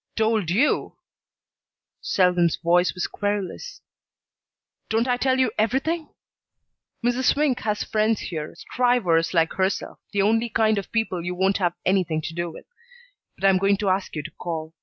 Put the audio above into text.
"Told you!" Selwyn's voice was querulous. "Don't I tell you everything? Mrs. Swink has friends here, strivers like herself the only kind of people you won't have anything to do with. But I'm going to ask you to call.